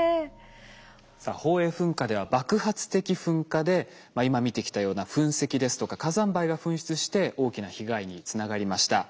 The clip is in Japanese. さあ宝永噴火では爆発的噴火で今見てきたような噴石ですとか火山灰が噴出して大きな被害につながりました。